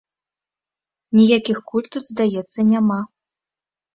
Ніякіх куль тут, здаецца, няма.